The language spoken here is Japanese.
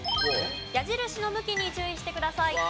矢印の向きに注意してください。